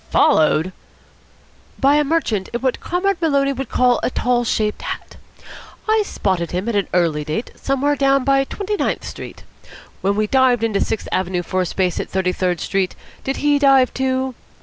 "Followed!" "By a merchant in what Comrade Maloney would call a tall shaped hat. I spotted him at an early date, somewhere down by Twenty ninth Street. When we dived into Sixth Avenue for a space at Thirty third Street, did he dive, too?